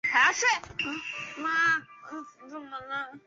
不同方言族群有其方言之称呼。